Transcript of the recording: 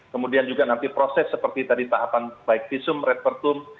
kemudian juga nanti proses seperti tadi tahapan baik visum red pertum